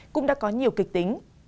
cũng đã có nhiều kịch tính